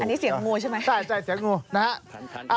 อันนี้เสียงงูใช่ไหมใช่เสียงงูนะฮะ